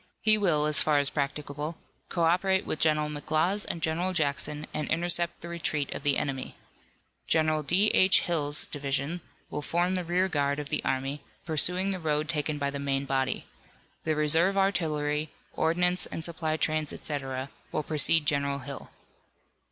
He will, as far as practicable, co operate with General McLaws and General Jackson, and intercept the retreat of the enemy. General D. H. Hill's division will form the rear guard of the army, pursuing the road taken by the main body. The reserve artillery, ordinance and supply trains, etc., will precede General Hill.